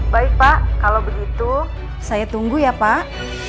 baik pak kalau begitu saya tunggu ya pak